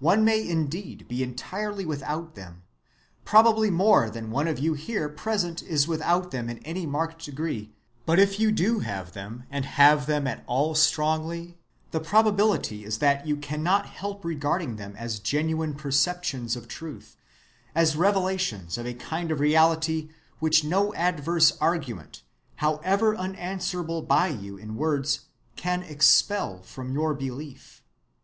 One may indeed be entirely without them; probably more than one of you here present is without them in any marked degree; but if you do have them, and have them at all strongly, the probability is that you cannot help regarding them as genuine perceptions of truth, as revelations of a kind of reality which no adverse argument, however unanswerable by you in words, can expel from your belief.